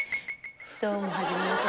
どうもはじめまして。